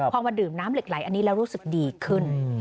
พอมาดื่มน้ำเหล็กไหลอันนี้แล้วรู้สึกดีขึ้น